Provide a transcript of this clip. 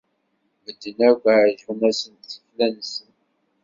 Medden akk ɛejbent-asen tekla-nnes.